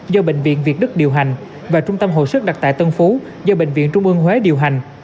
do bệnh viện việt đức điều hành và trung tâm hỗ sức đặt tại tân phú do bệnh viện trung mương huế điều hành